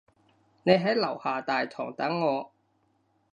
你喺樓下大堂等我